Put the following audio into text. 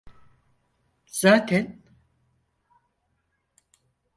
Zaten…